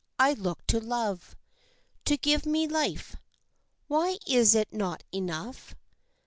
I look to love To give me life. Why is it not enough?